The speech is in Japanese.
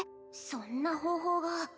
そんな方法が